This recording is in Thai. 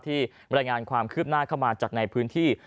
บรรยายงานความคืบหน้าเข้ามาจากในพื้นที่